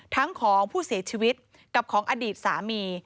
ของผู้เสียชีวิตกับของอดีตสามี